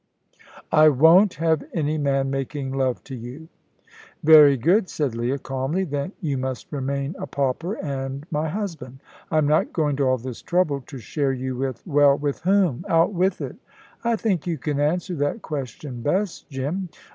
"I won't have any man making love to you." "Very good," said Leah, calmly; "then you must remain a pauper, and my husband. I'm not going to all this trouble to share you with " "Well, with whom? out with it!" "I think you can answer that question best, Jim."